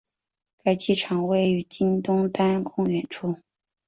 该机场位于今东单公园处。